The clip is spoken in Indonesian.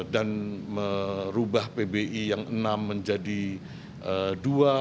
dan merubah pbi yang enam menjadi satu peraturan bank